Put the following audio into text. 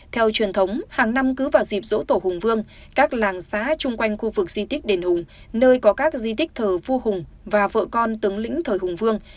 theo truyền thống hàng năm cứ vào dịp dỗ tổ hùng vương các làng xá chung quanh khu vực di tích đền hùng nơi có các di tích thờ vua hùng và vợ con tướng lĩnh thời hùng vương